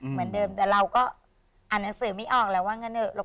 เหมือนเดิมแต่เราก็อ่านหนังสือไม่ออกแล้วว่างั้นเถอะ